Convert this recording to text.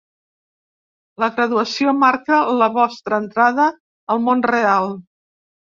La graduació marca la vostra entrada al ‘món real’.